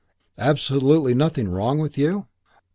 "Absolutely nothing wrong with you?"